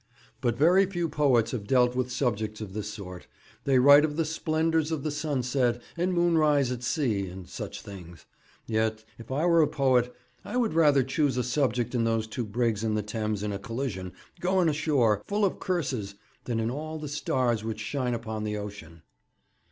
But very few poets have dealt with subjects of this sort. They write of the splendours of the sunset and moon rise at sea, and such things. Yet, if I were a poet, I would rather choose a subject in those two brigs in the Thames in a collision, going ashore, full of curses, than in all the stars which shine upon the ocean.'